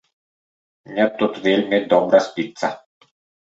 Мне тут вельмі добра спіцца.